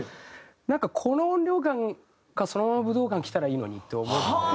なんかこの音量感がそのまま武道館にきたらいいのにって思って。